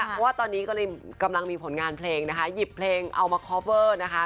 เพราะว่าตอนนี้ก็เลยกำลังมีผลงานเพลงนะคะหยิบเพลงเอามาคอฟเวอร์นะคะ